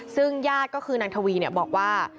ซึ่งญาติก็คือนางทวีบอกว่า